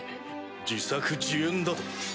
自作自演だと？